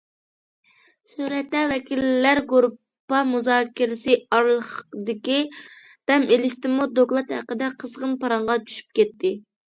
سۈرەتتە: ۋەكىللەر گۇرۇپپا مۇزاكىرىسى ئارىلىقىدىكى دەم ئېلىشتىمۇ« دوكلات» ھەققىدە قىزغىن پاراڭغا چۈشۈپ كەتتى.